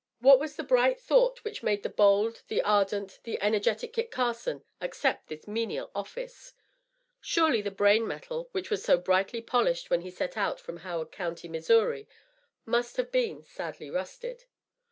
What was the bright thought which made the bold, the ardent, the energetic Kit Carson accept this menial office? Surely the brain metal which was so brightly polished when he set out from Howard county, Missouri, must have been sadly rusted.